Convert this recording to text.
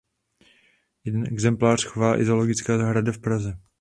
Jeden exemplář chová i zoologická zahrada v Praze.